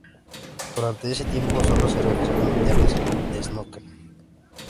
Durante ese tiempo solo se organizaron mundiales de Snooker.